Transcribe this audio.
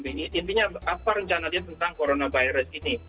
intinya apa rencana dia tentang coronavirus ini